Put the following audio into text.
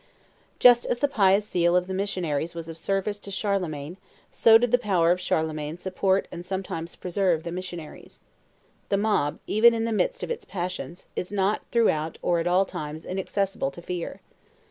Just as the pious zeal of the missionaries was of service to Charlemagne, so did the power of Charlemagne support and sometimes preserve the missionaries. The mob, even in the midst of its passions, is not throughout or at all times inaccessible to fear.